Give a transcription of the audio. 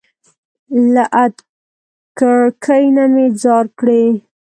له ادکړکۍ نه مي ځار کړى